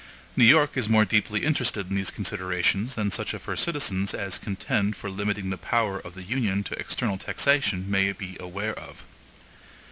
New York is more deeply interested in these considerations than such of her citizens as contend for limiting the power of the Union to external taxation may be aware of.